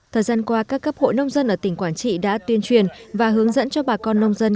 thời gian qua các cấp hội nông dân ở tỉnh quảng trị đã tuyên truyền và hướng dẫn cho bà con nông dân